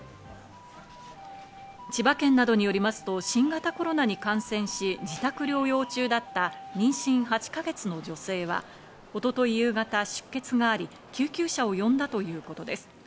千葉県などによりますと、新型コロナに感染し、自宅療養中だった妊娠８か月の女性は、一昨日夕方、出血があり、救急車を呼んだということです。